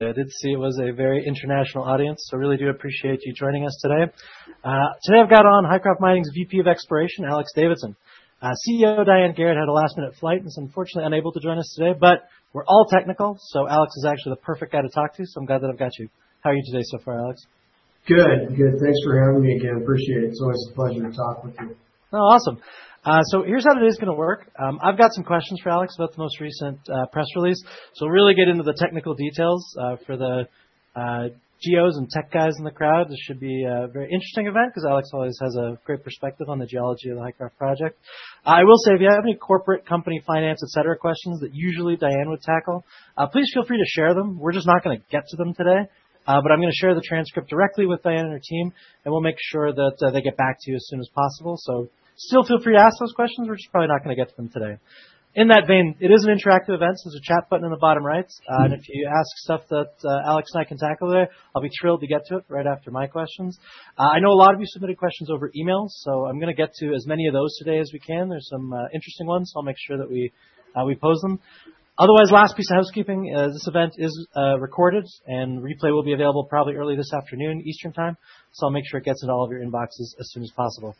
I did see it was a very international audience, so I really do appreciate you joining us today. Today I've got on Hycroft Mining's VP of Exploration, Alex Davidson. CEO, Diane Garrett, had a last-minute flight and is unfortunately unable to join us today, but we're all technical, so Alex is actually the perfect guy to talk to, so I'm glad that I've got you. How are you today so far, Alex? Good, good. Thanks for having me again. Appreciate it. It's always a pleasure to talk with you. Oh, awesome. Here's how today's going to work. I've got some questions for Alex about the most recent press release, so we'll really get into the technical details for the geos and tech guys in the crowd. This should be a very interesting event because Alex always has a great perspective on the geology of the Hycroft project. I will say, if you have any corporate company finance, et cetera, questions that usually Diane would tackle, please feel free to share them. We're just not going to get to them today, but I'm going to share the transcript directly with Diane and her team, and we'll make sure that they get back to you as soon as possible. Still feel free to ask those questions. We're just probably not going to get to them today. In that vein, it is an interactive event. There's a chat button in the bottom right, and if you ask stuff that Alex and I can tackle there, I'll be thrilled to get to it right after my questions. I know a lot of you submitted questions over email, so I'm going to get to as many of those today as we can. There's some interesting ones, so I'll make sure that we pose them. Otherwise, last piece of housekeeping: this event is recorded, and replay will be available probably early this afternoon, Eastern Time, so I'll make sure it gets into all of your inboxes as soon as possible.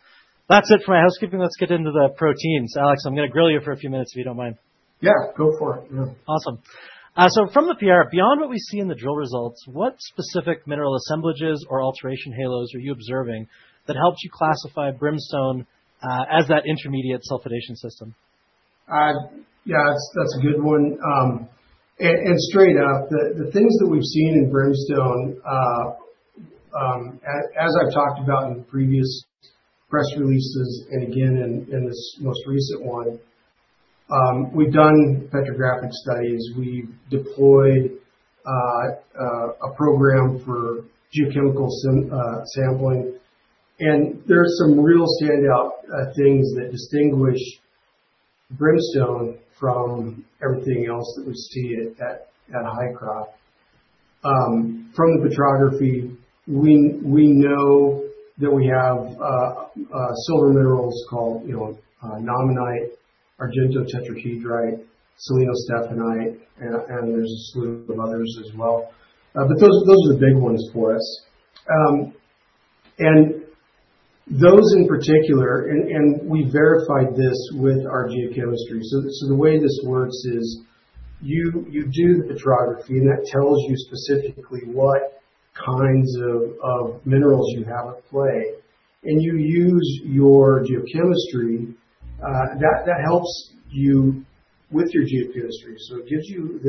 That's it for my housekeeping. Let's get into the proteins. Alex, I'm going to grill you for a few minutes if you don't mind. Yeah, go for it. Awesome. From the PR, beyond what we see in the drill results, what specific mineral assemblages or alteration halos are you observing that helps you classify Brimstone as that intermediate sulfidation system? Yeah, that's a good one. Straight up, the things that we've seen in Brimstone, as I've talked about in previous press releases and again in this most recent one, we've done petrographic studies. We've deployed a program for geochemical sampling, and there are some real standout things that distinguish Brimstone from everything else that we see at Hycroft. From the petrography, we know that we have silver minerals called naumannite, argentotetrahedrite, selenostephanite, and there's a slew of others as well. Those are the big ones for us. Those in particular, and we verified this with our geochemistry. The way this works is you do the petrography, and that tells you specifically what kinds of minerals you have at play, and you use your geochemistry. That helps you with your geochemistry, so it gives you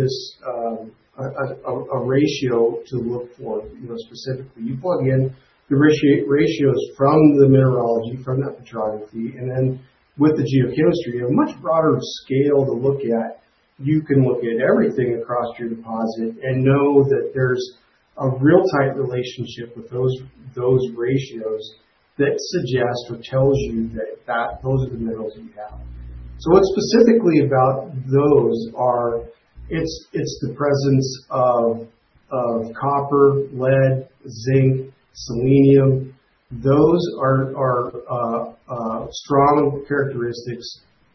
a ratio to look for specifically. You plug in the ratios from the mineralogy, from that petrography, and then with the geochemistry, you have a much broader scale to look at. You can look at everything across your deposit and know that there's a real tight relationship with those ratios that suggest or tells you that those are the minerals you have. What's specifically about those is it's the presence of copper, lead, zinc, selenium. Those are strong characteristics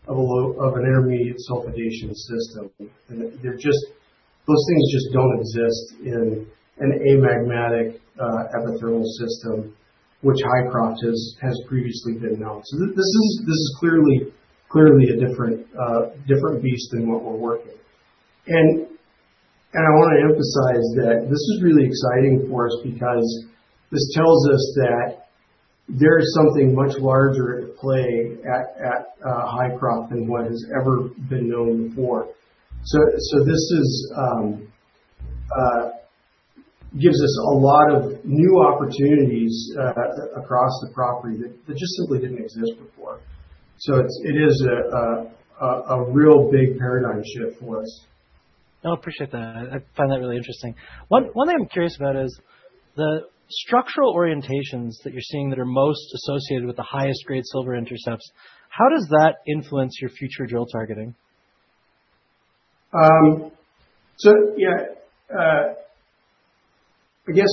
of an intermediate sulfidation system, and those things just don't exist in an amagmatic epithermal system, which Hycroft has previously been known. This is clearly a different beast than what we're working. I want to emphasize that this is really exciting for us because this tells us that there is something much larger at play at Hycroft than what has ever been known before. This gives us a lot of new opportunities across the property that just simply didn't exist before. It is a real big paradigm shift for us. I appreciate that. I find that really interesting. One thing I'm curious about is the structural orientations that you're seeing that are most associated with the highest-grade silver intercepts. How does that influence your future drill targeting? Yeah, I guess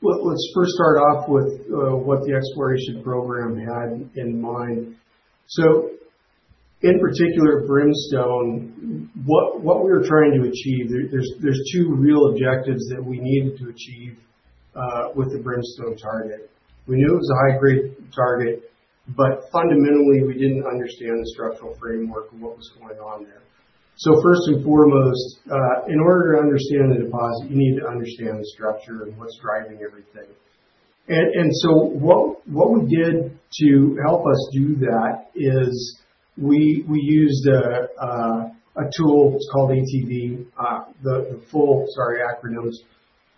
let's first start off with what the exploration program had in mind. In particular, Brimstone, what we were trying to achieve, there's two real objectives that we needed to achieve with the Brimstone target. We knew it was a high-grade target, but fundamentally we didn't understand the structural framework of what was going on there. First and foremost, in order to understand the deposit, you need to understand the structure and what's driving everything. What we did to help us do that is we used a tool called ATV, the full, sorry, acronyms.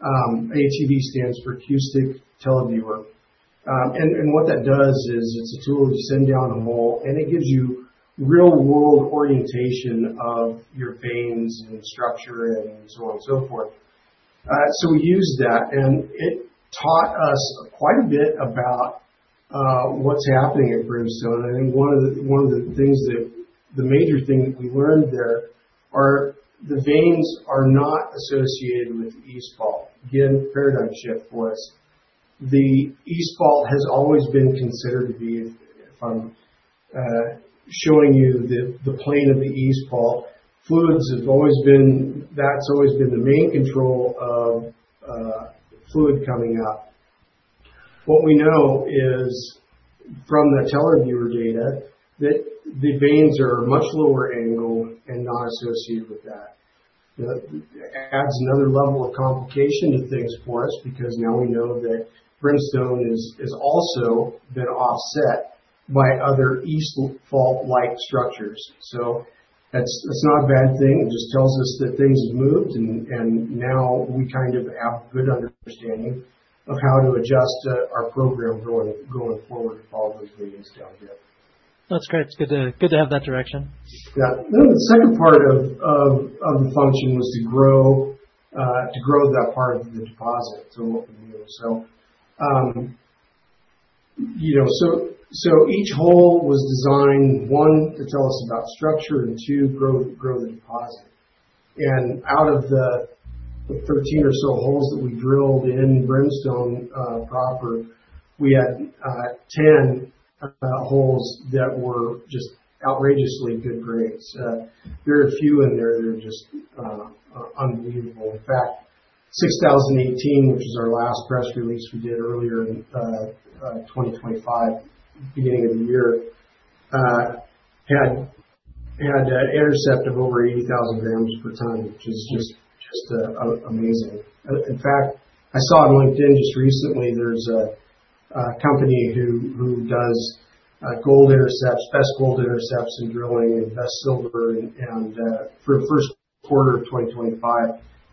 ATV stands for Acoustic Televiewer. What that does is it's a tool you send down a hole, and it gives you real-world orientation of your veins and structure and so on and so forth. We used that, and it taught us quite a bit about what's happening at Brimstone. I think one of the things that, the major thing that we learned there are the veins are not associated with the East Fault. Again, paradigm shift for us. The East Fault has always been considered to be, if I'm showing you the plane of the East Fault, fluids have always been, that's always been the main control of fluid coming up. What we know is from the televiewer data that the veins are a much lower angle and not associated with that. That adds another level of complication to things for us because now we know that Brimstone has also been offset by other East Fault-like structures. That's not a bad thing. It just tells us that things have moved, and now we kind of have a good understanding of how to adjust our program going forward to follow those veins down here. That's great. It's good to have that direction. Yeah. The second part of the function was to grow that part of the deposit. Each hole was designed, one, to tell us about structure and, two, grow the deposit. Out of the 13 or so holes that we drilled in Brimstone proper, we had 10 holes that were just outrageously good grades. There are a few in there that are just unbelievable. In fact, 6018, which was our last press release we did earlier in 2025, beginning of the year, had intercept of over 80,000 grams per ton, which is just amazing. I saw on LinkedIn just recently there is a company who does gold intercepts, best gold intercepts and drilling, and best silver. For the first quarter of 2025,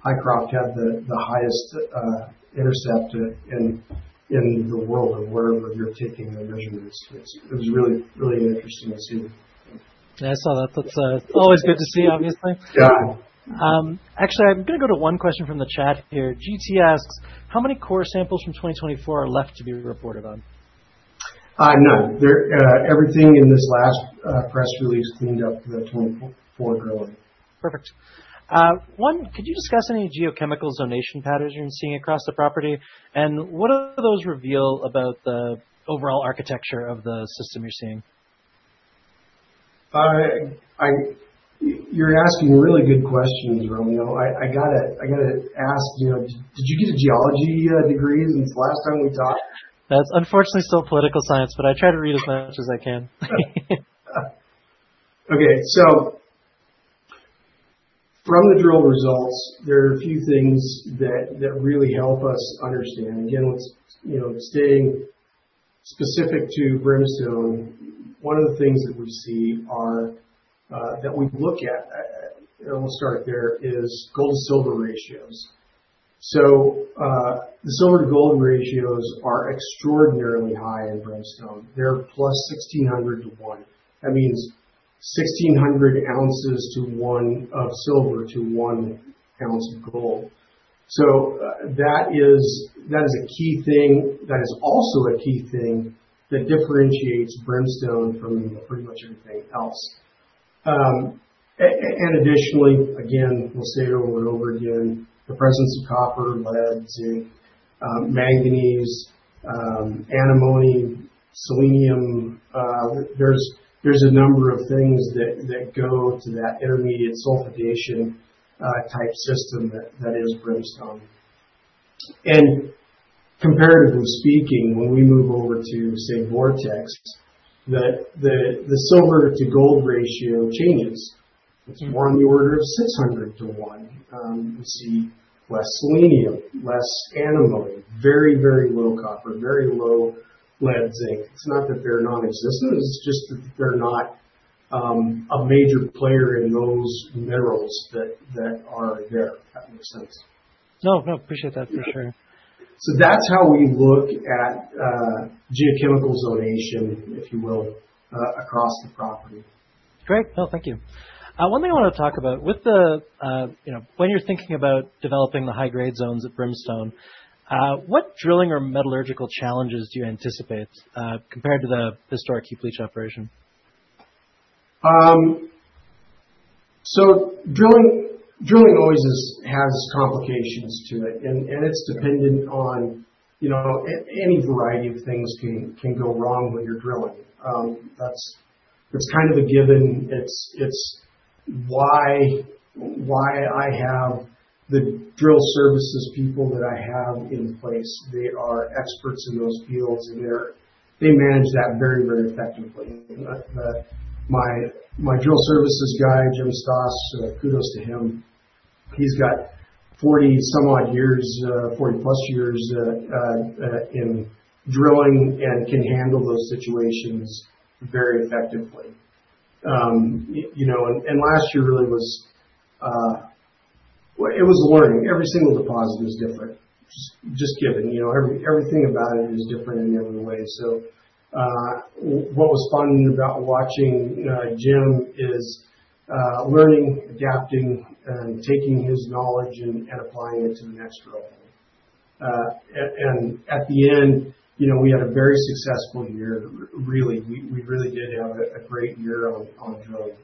Hycroft had the highest intercept in the world or wherever you are taking their measurements. It was really, really interesting to see. Yeah, I saw that. That's always good to see, obviously. Yeah. Actually, I'm going to go to one question from the chat here. GT asks, "How many core samples from 2024 are left to be reported on? None. Everything in this last press release cleaned up the 2024 drilling. Perfect. One, could you discuss any geochemical zonation patterns you're seeing across the property, and what do those reveal about the overall architecture of the system you're seeing? You're asking really good questions, Romeo. I got to ask, did you get a geology degree since the last time we talked? That's unfortunately still political science, but I try to read as much as I can. Okay. From the drill results, there are a few things that really help us understand. Again, staying specific to Brimstone, one of the things that we see that we look at, and we will start there, is gold to silver ratios. The silver to gold ratios are extraordinarily high in Brimstone. They are plus 1,600 to one. That means 1,600 ounces to one of silver to one ounce of gold. That is a key thing. That is also a key thing that differentiates Brimstone from pretty much everything else. Additionally, again, we will say it over and over again, the presence of Copper, Lead, Zinc, Manganese, Antimony, Selenium. There are a number of things that go to that intermediate sulfidation type system that is Brimstone. Comparatively speaking, when we move over to, say, Vortex, the silver to gold ratio changes. It is more on the order of 600 to one. We see less selenium, less enargite, very, very low Copper, very low Lead, Zinc. It's not that they're nonexistent. It's just that they're not a major player in those minerals that are there, if that makes sense. No, no. Appreciate that for sure. That's how we look at geochemical zonation, if you will, across the property. Great. No, thank you. One thing I want to talk about, when you're thinking about developing the high-grade zones at Brimstone, what drilling or metallurgical challenges do you anticipate compared to the historic Hycroft operation? Drilling always has complications to it, and it's dependent on any variety of things can go wrong when you're drilling. That's kind of a given. It's why I have the drill services people that I have in place. They are experts in those fields, and they manage that very, very effectively. My drill services guy, Jim Stoss, kudos to him. He's got 40-some-odd years, 40-plus years in drilling and can handle those situations very effectively. Last year really was, it was a learning. Every single deposit is different, just given. Everything about it is different in every way. What was fun about watching Jim is learning, adapting, and taking his knowledge and applying it to the next drill. At the end, we had a very successful year. Really, we really did have a great year on drilling.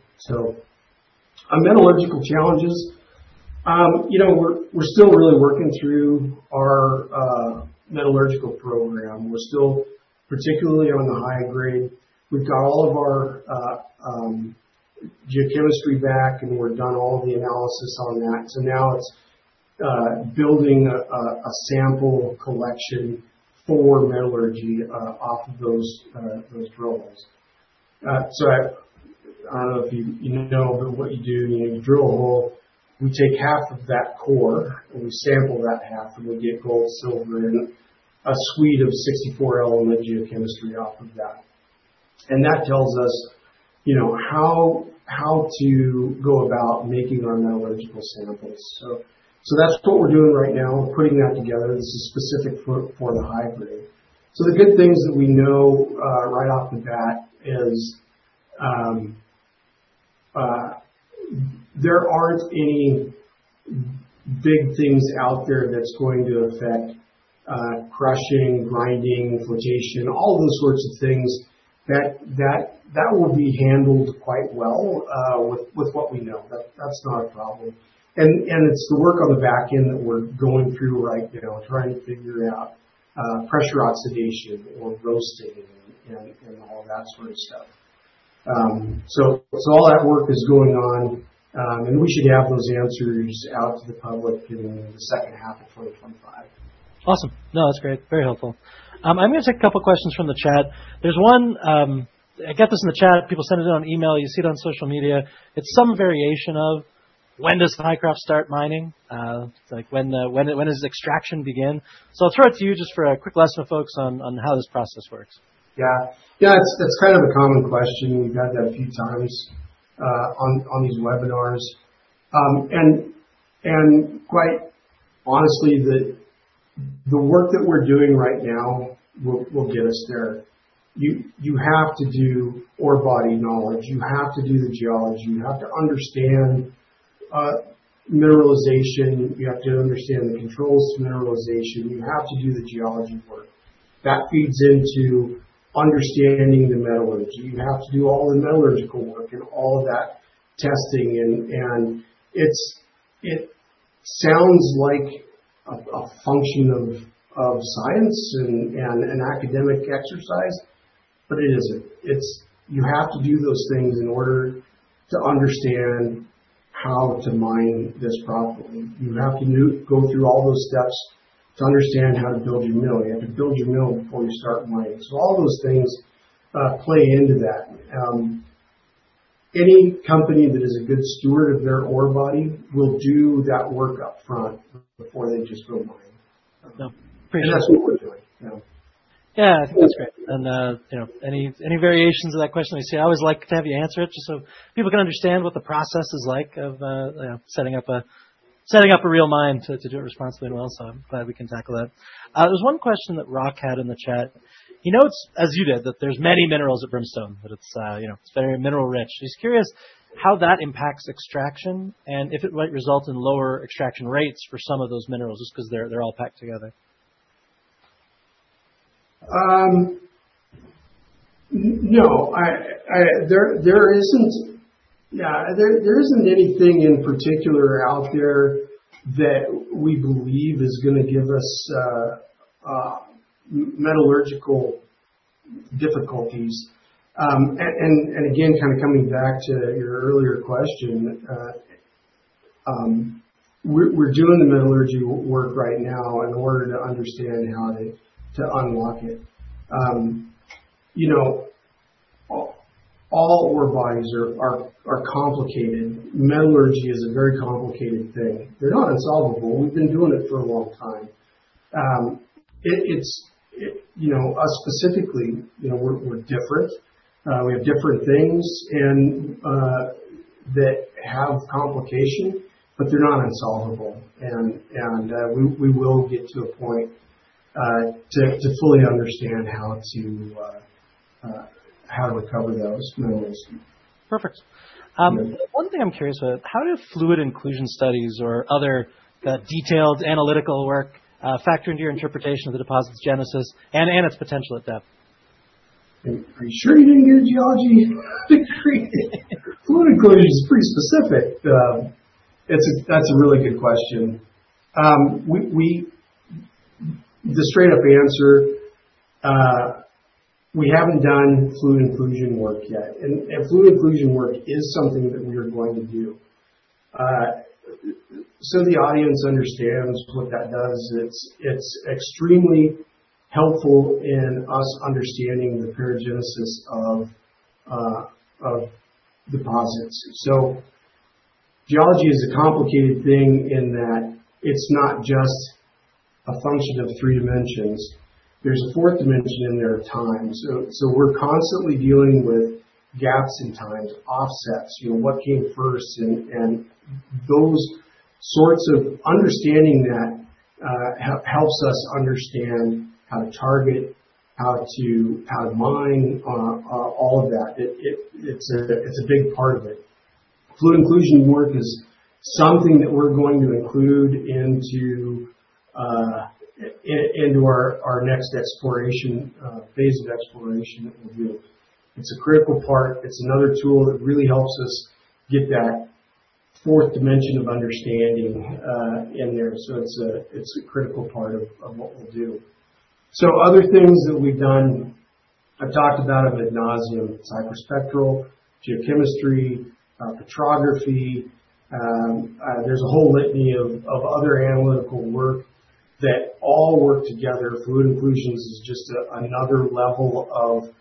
On metallurgical challenges, we're still really working through our metallurgical program. We're still particularly on the high grade. We've got all of our geochemistry back, and we've done all the analysis on that. Now it's building a sample collection for metallurgy off of those drill holes. I don't know if you know, but what you do, you drill a hole, we take half of that core, and we sample that half, and we'll get gold, silver, and a suite of 64 element geochemistry off of that. That tells us how to go about making our metallurgical samples. That's what we're doing right now. We're putting that together. This is specific for the high grade. The good things that we know right off the bat is there aren't any big things out there that's going to affect crushing, grinding, flotation, all those sorts of things. That will be handled quite well with what we know. That's not a problem. It's the work on the back end that we're going through right now, trying to figure out pressure oxidation or roasting and all that sort of stuff. All that work is going on, and we should have those answers out to the public in the second half of 2025. Awesome. No, that's great. Very helpful. I'm going to take a couple of questions from the chat. There's one, I get this in the chat. People send it in on email. You see it on social media. It's some variation of, "When does Hycroft start mining?" It's like, "When does extraction begin?" I'll throw it to you just for a quick lesson of folks on how this process works. Yeah. Yeah, that's kind of a common question. We've had that a few times on these webinars. Quite honestly, the work that we're doing right now will get us there. You have to do ore body knowledge. You have to do the geology. You have to understand mineralization. You have to understand the controls to mineralization. You have to do the geology work. That feeds into understanding the metallurgy. You have to do all the metallurgical work and all of that testing. It sounds like a function of science and an academic exercise, but it isn't. You have to do those things in order to understand how to mine this properly. You have to go through all those steps to understand how to build your mill. You have to build your mill before you start mining. All those things play into that. Any company that is a good steward of their ore body will do that work upfront before they just go mine. Yeah. Appreciate it. That is what we're doing. Yeah. Yeah. I think that's great. Any variations of that question? I always like to have you answer it just so people can understand what the process is like of setting up a real mine to do it responsibly and well. I'm glad we can tackle that. There's one question that Rock had in the chat. He notes, as you did, that there's many minerals at Brimstone, that it's very mineral-rich. He's curious how that impacts extraction and if it might result in lower extraction rates for some of those minerals just because they're all packed together. No. Yeah, there is not anything in particular out there that we believe is going to give us metallurgical difficulties. Again, kind of coming back to your earlier question, we are doing the metallurgy work right now in order to understand how to unlock it. All ore bodies are complicated. Metallurgy is a very complicated thing. They are not unsolvable. We have been doing it for a long time. Specifically, we are different. We have different things that have complication, but they are not unsolvable. We will get to a point to fully understand how to recover those minerals. Perfect. One thing I'm curious about, how do fluid inclusion studies or other detailed analytical work factor into your interpretation of the deposit's genesis and its potential at depth? Are you sure you didn't get a geology degree? Fluid inclusion is pretty specific. That's a really good question. The straight-up answer, we haven't done fluid inclusion work yet. Fluid inclusion work is something that we are going to do. So the audience understands what that does. It's extremely helpful in us understanding the paragenesis of deposits. Geology is a complicated thing in that it's not just a function of three dimensions. There's a fourth dimension in there of time. We're constantly dealing with gaps in time, offsets, what came first. Those sorts of understanding help us understand how to target, how to mine, all of that. It's a big part of it. Fluid inclusion work is something that we're going to include into our next exploration phase of exploration that we'll do. It's a critical part. It's another tool that really helps us get that fourth dimension of understanding in there. It's a critical part of what we'll do. Other things that we've done, I've talked about Magnesium and hyperspectral, geochemistry, petrography. There's a whole litany of other analytical work that all work together. Fluid inclusion is just another level of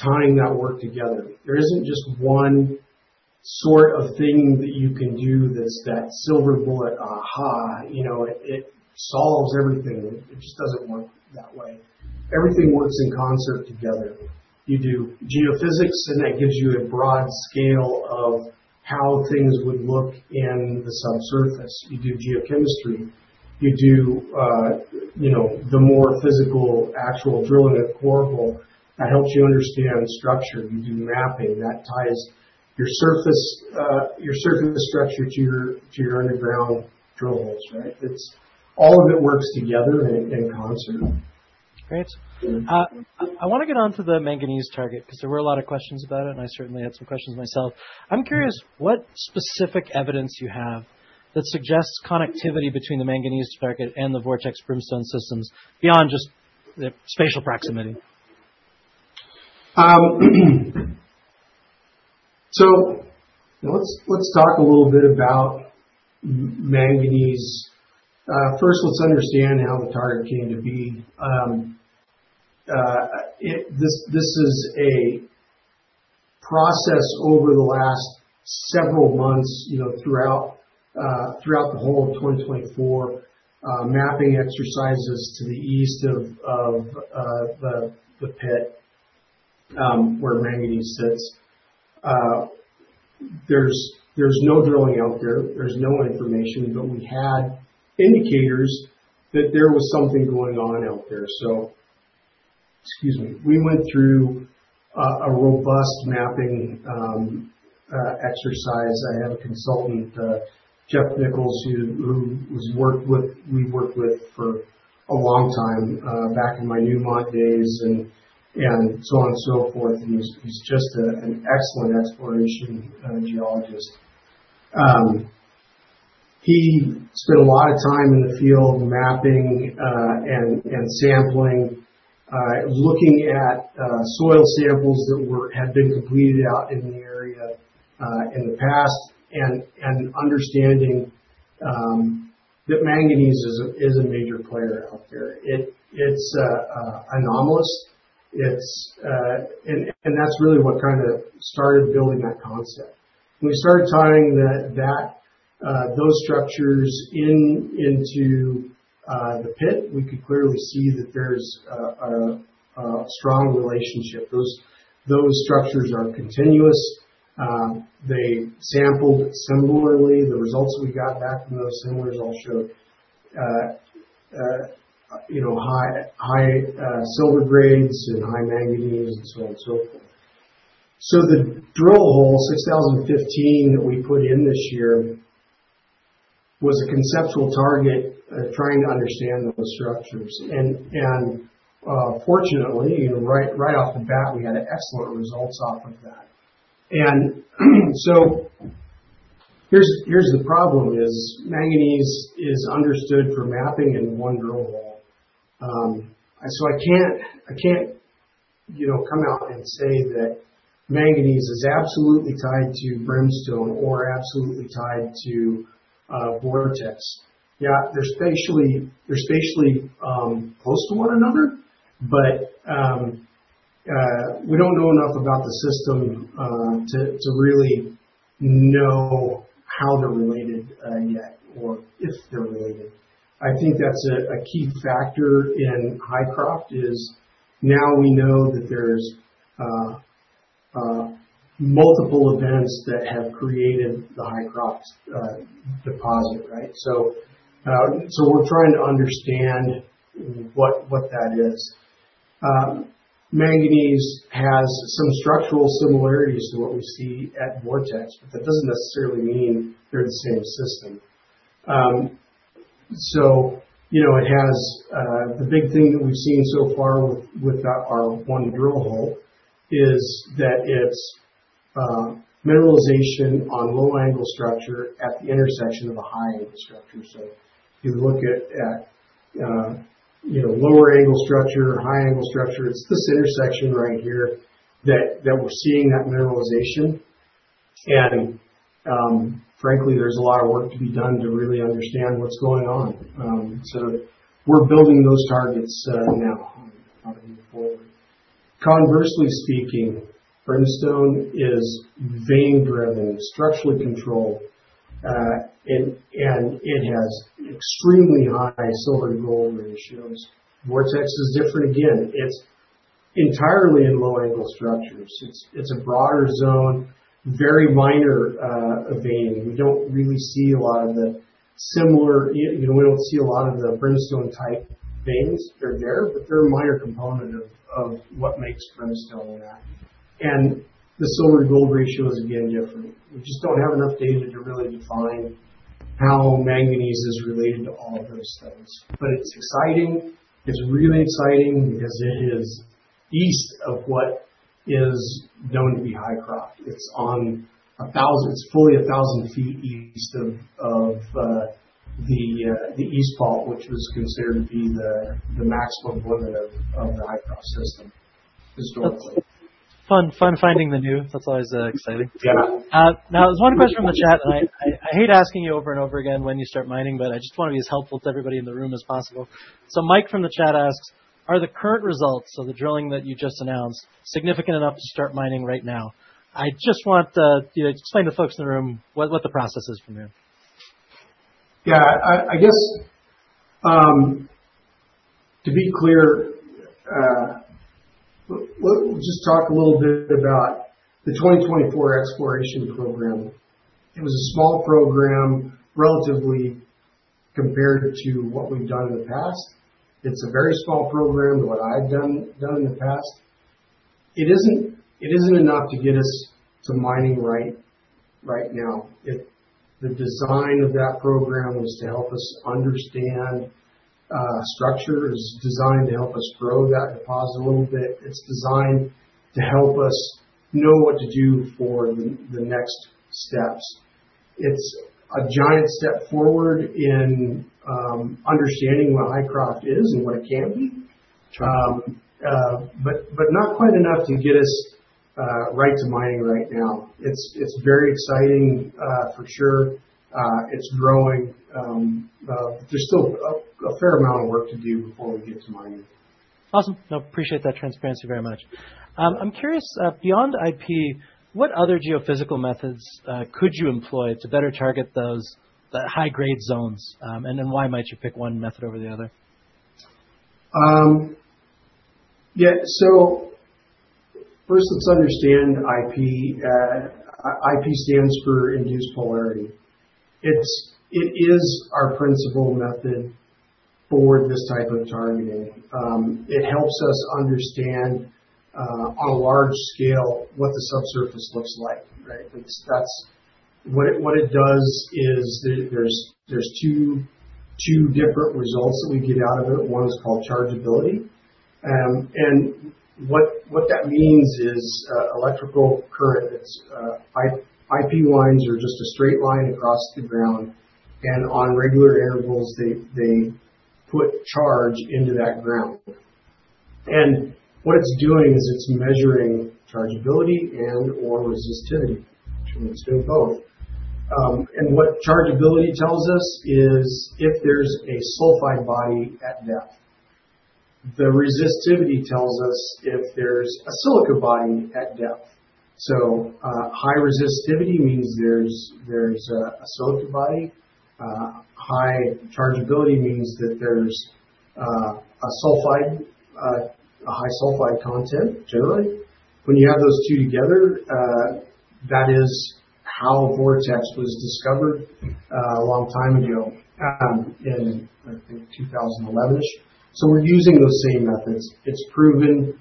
tying that work together. There isn't just one sort of thing that you can do that's that silver bullet aha. It solves everything. It just doesn't work that way. Everything works in concert together. You do geophysics, and that gives you a broad scale of how things would look in the subsurface. You do geochemistry. You do the more physical actual drilling of core. That helps you understand structure. You do mapping. That ties your surface structure to your underground drill holes, right? All of it works together in concert. Great. I want to get on to the Manganese target because there were a lot of questions about it, and I certainly had some questions myself. I'm curious what specific evidence you have that suggests connectivity between the Manganese target and the Vortex Brimstone systems beyond just spatial proximity. Let's talk a little bit about Manganese. First, let's understand how the target came to be. This is a process over the last several months throughout the whole of 2024, mapping exercises to the east of the pit where Manganese sits. There's no drilling out there. There's no information, but we had indicators that there was something going on out there. Excuse me. We went through a robust mapping exercise. I have a consultant, Jeff Nichols, who we've worked with for a long time back in my Newmont days and so on and so forth. He's just an excellent exploration geologist. He spent a lot of time in the field mapping and sampling, looking at soil samples that had been completed out in the area in the past, and understanding that Manganese is a major player out there. It's anomalous. That is really what kind of started building that concept. When we started tying those structures into the pit, we could clearly see that there is a strong relationship. Those structures are continuous. They sampled similarly. The results that we got back from those samplers all showed high silver grades and high Manganese and so on and so forth. The drill hole, 6015, that we put in this year was a conceptual target of trying to understand those structures. Fortunately, right off the bat, we had excellent results off of that. Here is the problem: Manganese is understood for mapping in one drill hole. I cannot come out and say that Manganese is absolutely tied to Brimstone or absolutely tied to Vortex. Yeah, they're spatially close to one another, but we don't know enough about the system to really know how they're related yet or if they're related. I think that's a key factor in Hycroft is now we know that there's multiple events that have created the Hycroft deposit, right? We're trying to understand what that is. Manganese has some structural similarities to what we see at Vortex, but that doesn't necessarily mean they're the same system. The big thing that we've seen so far with our one drill hole is that it's mineralization on low angle structure at the intersection of a high angle structure. If you look at lower angle structure, high angle structure, it's this intersection right here that we're seeing that mineralization. Frankly, there's a lot of work to be done to really understand what's going on. We're building those targets now moving forward. Conversely speaking, Brimstone is vein-driven, structurally controlled, and it has extremely high silver to gold ratios. Vortex is different again. It's entirely in low angle structures. It's a broader zone, very minor vein. We don't really see a lot of the similar—we don't see a lot of the Brimstone-type veins that are there, but they're a minor component of what makes Brimstone that. And the silver to gold ratio is again different. We just don't have enough data to really define how Manganese is related to all of those things. It's exciting. It's really exciting because it is east of what is known to be Hycroft. It's fully 1,000 feet east of the East Fault, which was considered to be the maximum limit of the Hycroft system historically. Fun finding the new. That's always exciting. Yeah. Now, there's one question from the chat, and I hate asking you over and over again when you start mining, but I just want to be as helpful to everybody in the room as possible. Mike from the chat asks, "Are the current results of the drilling that you just announced significant enough to start mining right now?" I just want to explain to folks in the room what the process is from here. Yeah. I guess to be clear, we'll just talk a little bit about the 2024 exploration program. It was a small program relatively compared to what we've done in the past. It's a very small program to what I've done in the past. It isn't enough to get us to mining right now. The design of that program was to help us understand structure. It's designed to help us grow that deposit a little bit. It's designed to help us know what to do for the next steps. It's a giant step forward in understanding what Hycroft is and what it can be, but not quite enough to get us right to mining right now. It's very exciting, for sure. It's growing. There's still a fair amount of work to do before we get to mining. Awesome. I appreciate that transparency very much. I'm curious, beyond IP, what other geophysical methods could you employ to better target those high-grade zones? Why might you pick one method over the other? Yeah. First, let's understand IP. IP stands for induced polarization. It is our principal method for this type of targeting. It helps us understand on a large scale what the subsurface looks like, right? What it does is there's two different results that we get out of it. One is called chargeability. What that means is electrical current. IP lines are just a straight line across the ground. On regular intervals, they put charge into that ground. What it's doing is it's measuring chargeability and/or resistivity. It's doing both. What chargeability tells us is if there's a sulfide body at depth. The resistivity tells us if there's a silica body at depth. High resistivity means there's a silica body. High chargeability means that there's a high sulfide content, generally. When you have those two together, that is how Vortex was discovered a long time ago in, I think, 2011-ish. We are using those same methods. It is a proven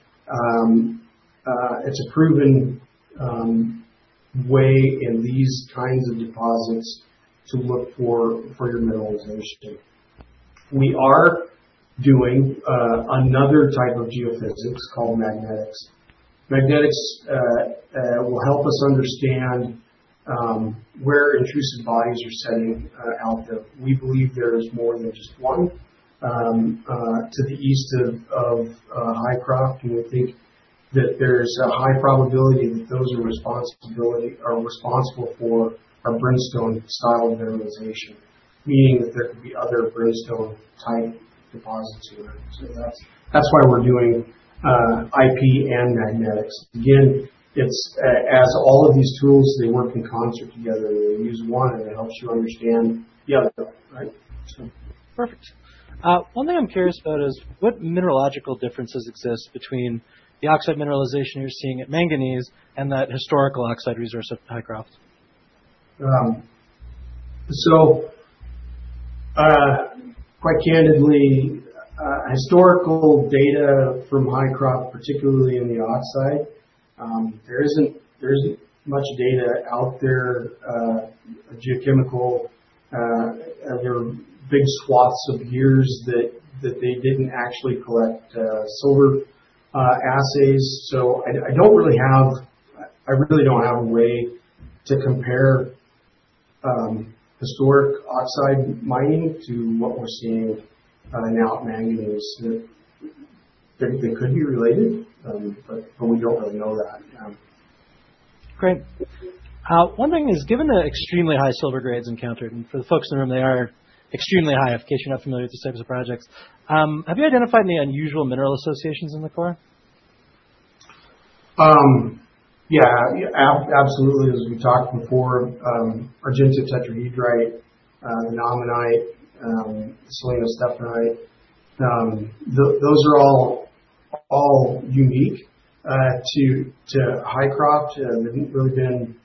way in these kinds of deposits to look for your mineralization. We are doing another type of geophysics called magnetics. Magnetics will help us understand where intrusive bodies are setting out there. We believe there is more than just one to the east of Hycroft. We think that there is a high probability that those are responsible for our Brimstone style of mineralization, meaning that there could be other Brimstone-type deposits here. That is why we are doing IP and magnetics. Again, as all of these tools, they work in concert together. You use one, and it helps you understand the other, right? Perfect. One thing I'm curious about is what mineralogical differences exist between the oxide mineralization you're seeing at Manganese and that historical oxide resource of Hycroft? Quite candidly, historical data from Hycroft, particularly in the oxide, there isn't much data out there, geochemical. There are big swaths of years that they didn't actually collect silver assays. I don't really have—I really don't have a way to compare historic oxide mining to what we're seeing now at Manganese. They could be related, but we don't really know that. Great. One thing is, given the extremely high silver grades encountered, and for the folks in the room, they are extremely high if in case you're not familiar with these types of projects, have you identified any unusual mineral associations in the core? Yeah. Absolutely. As we talked before, Argentotetrahedrite, the Naumannite, Selenostephanite. Those are all unique to Hycroft and have really been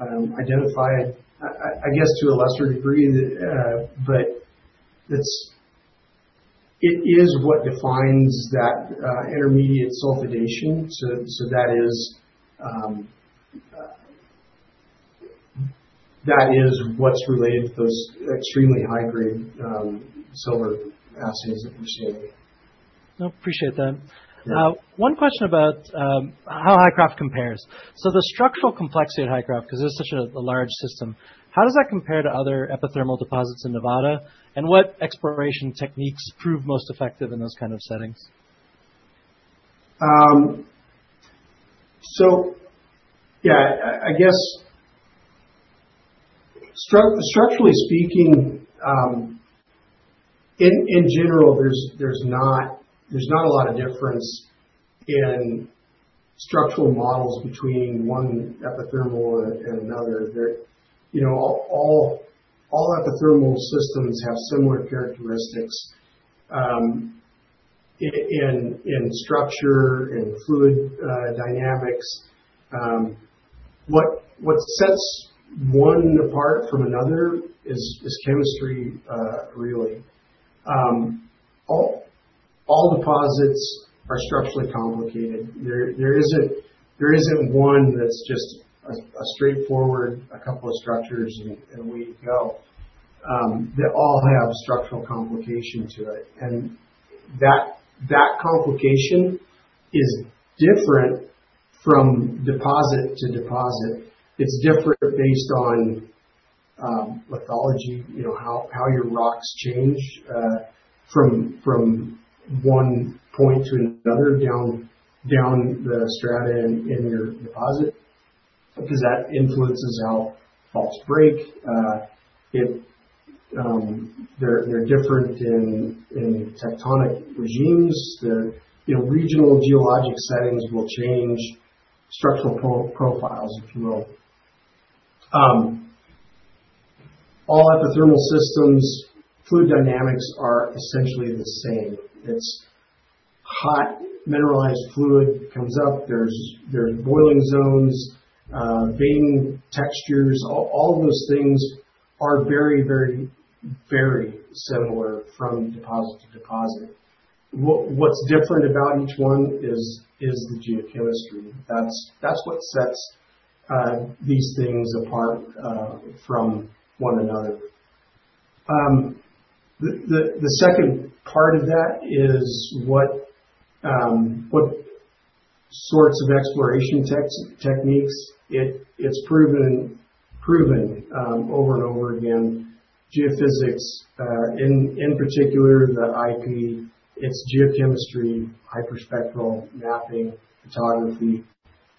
identified, I guess, to a lesser degree. It is what defines that intermediate sulfidation. That is what's related to those extremely high-grade silver assays that we're seeing. Appreciate that. One question about how Hycroft compares. The structural complexity at Hycroft, because it is such a large system, how does that compare to other epithermal deposits in Nevada? What exploration techniques prove most effective in those kinds of settings? I guess structurally speaking, in general, there's not a lot of difference in structural models between one epithermal and another. All epithermal systems have similar characteristics in structure and fluid dynamics. What sets one apart from another is chemistry, really. All deposits are structurally complicated. There isn't one that's just a straightforward, a couple of structures and a way to go. They all have structural complication to it. That complication is different from deposit to deposit. It's different based on lithology, how your rocks change from one point to another down the strata in your deposit because that influences how faults break. They're different in tectonic regimes. Regional geologic settings will change structural profiles, if you will. All epithermal systems, fluid dynamics are essentially the same. It's hot mineralized fluid comes up. There's boiling zones, vein textures. All of those things are very, very, very similar from deposit to deposit. What's different about each one is the geochemistry. That's what sets these things apart from one another. The second part of that is what sorts of exploration techniques it's proven over and over again. Geophysics, in particular, the IP, it's geochemistry, hyperspectral mapping, photography,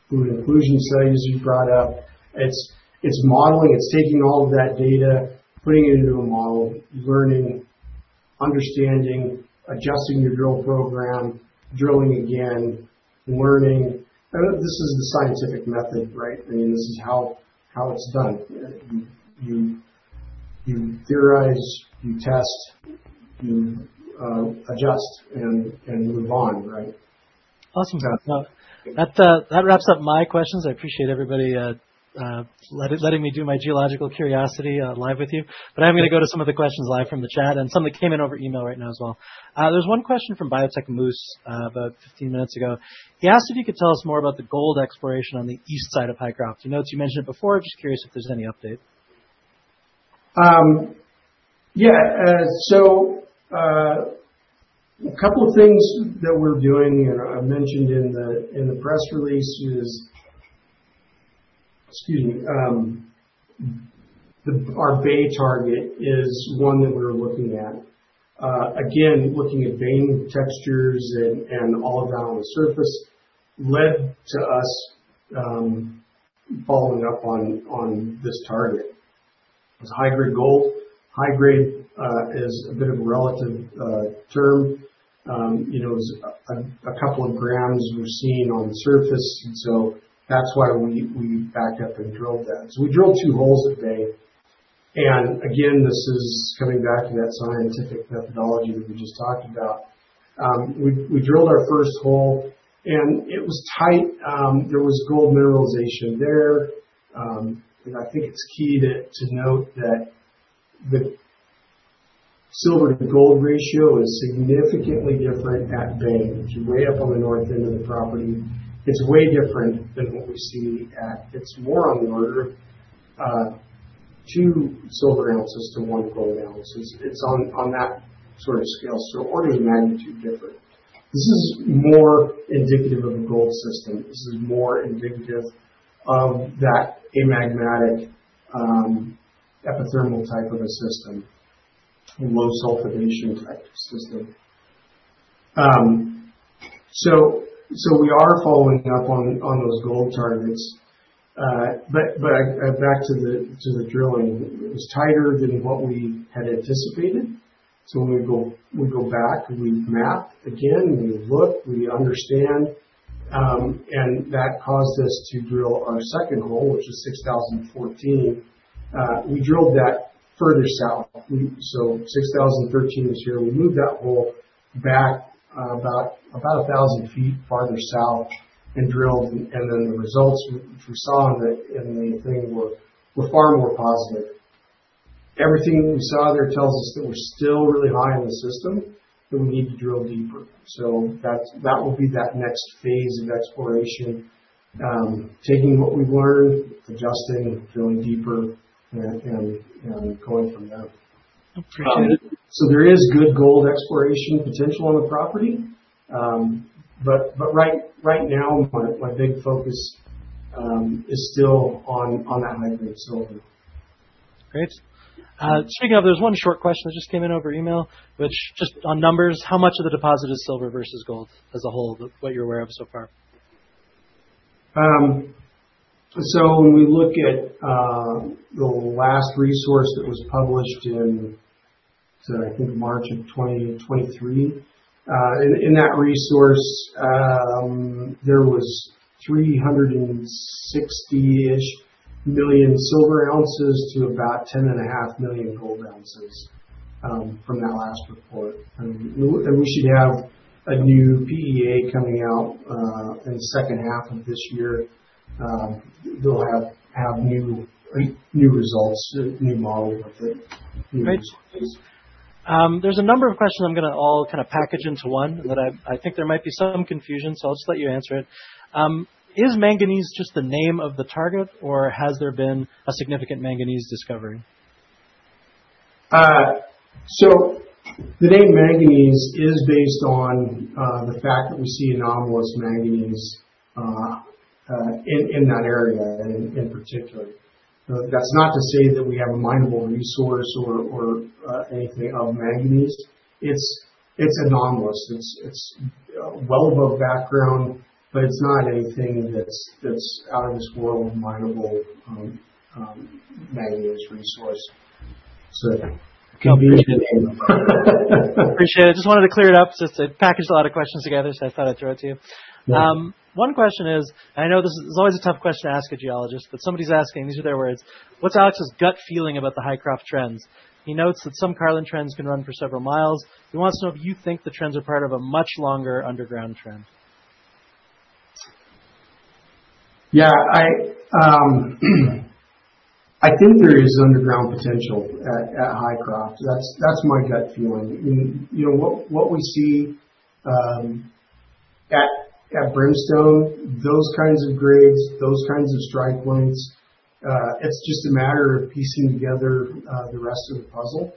fluid inclusion studies you brought up. It's modeling. It's taking all of that data, putting it into a model, learning, understanding, adjusting your drill program, drilling again, learning. This is the scientific method, right? I mean, this is how it's done. You theorize, you test, you adjust, and move on, right? Awesome. That wraps up my questions. I appreciate everybody letting me do my geological curiosity live with you. I'm going to go to some of the questions live from the chat and some that came in over email right now as well. There's one question from Biotech Moose about 15 minutes ago. He asked if you could tell us more about the gold exploration on the east side of Hycroft. You mentioned it before. I'm just curious if there's any update. Yeah. A couple of things that we're doing, and I mentioned in the press release, is, excuse me, our bay target is one that we're looking at. Again, looking at vein textures and all of that on the surface led to us following up on this target. It's high-grade gold. High-grade is a bit of a relative term. It was a couple of grams we're seeing on the surface. That is why we backed up and drilled that. We drilled two holes at bay. Again, this is coming back to that scientific methodology that we just talked about. We drilled our first hole, and it was tight. There was gold mineralization there. I think it's key to note that the silver to gold ratio is significantly different at bay. If you're way up on the north end of the property, it's way different than what we see at. It's more on the order of two silver ounces to one gold ounce. It's on that sort of scale. Orders of magnitude different. This is more indicative of a gold system. This is more indicative of that amagmatic epithermal type of a system, low sulfidation type system. We are following up on those gold targets. Back to the drilling, it was tighter than what we had anticipated. When we go back, we map again, we look, we understand. That caused us to drill our second hole, which is 6014. We drilled that further south. 6013 is here. We moved that hole back about 1,000 feet farther south and drilled. The results we saw in the thing were far more positive. Everything we saw there tells us that we're still really high in the system, that we need to drill deeper. That will be that next phase of exploration, taking what we've learned, adjusting, drilling deeper, and going from there. Appreciate it. There is good gold exploration potential on the property. Right now, my big focus is still on that high-grade silver. Great. Speaking of, there's one short question that just came in over email, which just on numbers, how much of the deposit is silver versus gold as a whole, what you're aware of so far? When we look at the last resource that was published in, I think, March of 2023, in that resource, there was 360-ish million silver ounces to about 10 and a half million gold ounces from that last report. We should have a new PEA coming out in the second half of this year. They'll have new results, new models. Great. There's a number of questions I'm going to all kind of package into one, but I think there might be some confusion. I'll just let you answer it. Is Manganese just the name of the target, or has there been a significant Manganese discovery? The name Manganese is based on the fact that we see anomalous Manganese in that area in particular. That's not to say that we have a minable resource or anything of Manganese. It's anomalous. It's well above background, but it's not anything that's out of this world minable Manganese resource. Appreciate it. I just wanted to clear it up. Just packaged a lot of questions together, so I thought I'd throw it to you. One question is, and I know this is always a tough question to ask a geologist, but somebody's asking, these are their words, "What's Alex's gut feeling about the Hycroft trends? He notes that some Carlin trends can run for several miles. He wants to know if you think the trends are part of a much longer underground trend. Yeah. I think there is underground potential at Hycroft. That's my gut feeling. What we see at Brimstone, those kinds of grades, those kinds of strike lengths, it's just a matter of piecing together the rest of the puzzle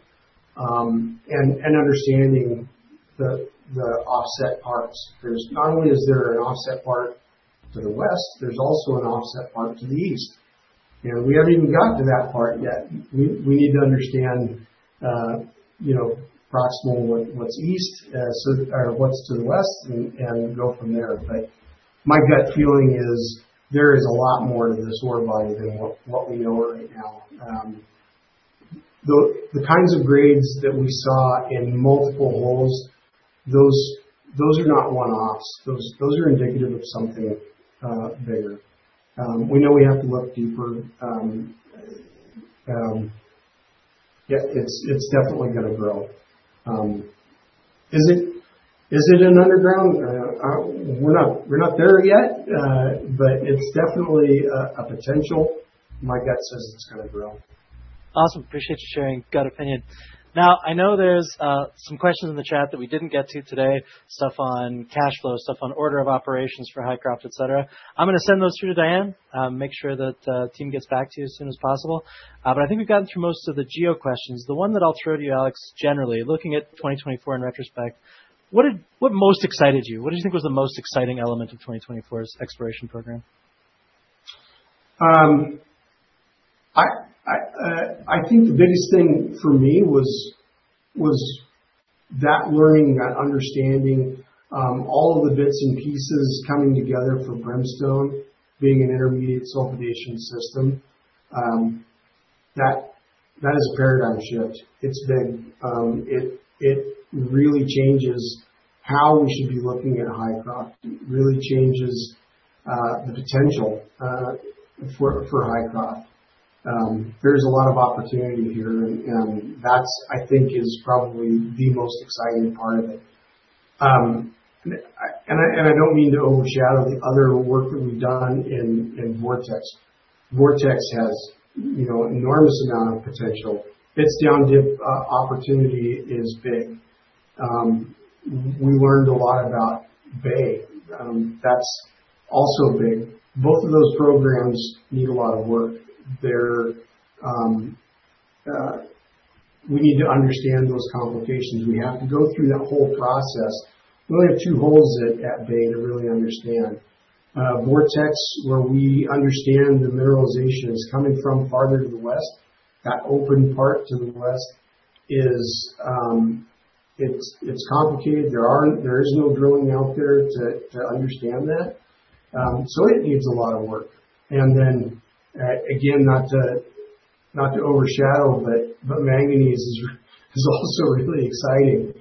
and understanding the offset parts. Not only is there an offset part to the west, there's also an offset part to the east. We haven't even gotten to that part yet. We need to understand proximal what's east or what's to the west and go from there. My gut feeling is there is a lot more to this ore body than what we know right now. The kinds of grades that we saw in multiple holes, those are not one-offs. Those are indicative of something bigger. We know we have to look deeper. It's definitely going to grow. Is it an underground? We're not there yet, but it's definitely a potential. My gut says it's going to grow. Awesome. Appreciate you sharing gut opinion. Now, I know there's some questions in the chat that we didn't get to today, stuff on cash flow, stuff on order of operations for Hycroft, etc. I'm going to send those through to Diane, make sure that the team gets back to you as soon as possible. I think we've gotten through most of the geo questions. The one that I'll throw to you, Alex, generally, looking at 2024 in retrospect, what most excited you? What do you think was the most exciting element of 2024's exploration program? I think the biggest thing for me was that learning, that understanding, all of the bits and pieces coming together for Brimstone being an intermediate sulfidation system. That is a paradigm shift. It's big. It really changes how we should be looking at Hycroft. It really changes the potential for Hycroft. There's a lot of opportunity here. That's, I think, is probably the most exciting part of it. I don't mean to overshadow the other work that we've done in Vortex. Vortex has an enormous amount of potential. Its down dip opportunity is big. We learned a lot about Bay. That's also big. Both of those programs need a lot of work. We need to understand those complications. We have to go through that whole process. We only have two holes at Bay to really understand. Vortex, where we understand the mineralization is coming from farther to the west, that open part to the west is, it's complicated. There is no drilling out there to understand that. It needs a lot of work. Not to overshadow, Manganese is also really exciting.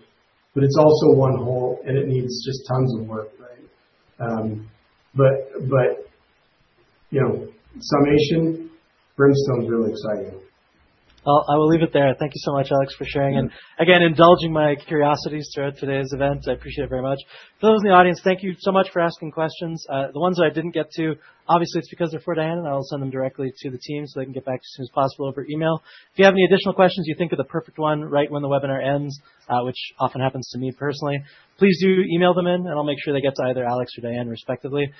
It is also one hole, and it needs just tons of work, right? In summation, Brimstone's really exciting. I will leave it there. Thank you so much, Alex, for sharing. Again, indulging my curiosities throughout today's event. I appreciate it very much. For those in the audience, thank you so much for asking questions. The ones that I did not get to, obviously, it is because they are for Diane, and I will send them directly to the team so they can get back to you as soon as possible over email. If you have any additional questions, you think are the perfect one right when the webinar ends, which often happens to me personally, please do email them in, and I will make sure they get to either Alex or Diane respectively.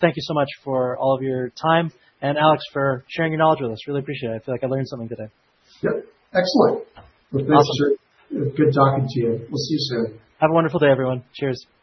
Thank you so much for all of your time and, Alex, for sharing your knowledge with us. Really appreciate it. I feel like I learned something today. Yep. Excellent. Thanks, sir. Good talking to you. We'll see you soon. Have a wonderful day, everyone. Cheers. Cheers.